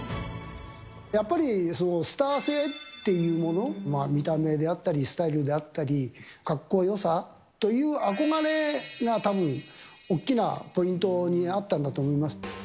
やっぱりスター性っていうもの、見た目であったり、スタイルであったり、かっこよさという憧れがたぶん、おっきなポイントにあったんだと思います。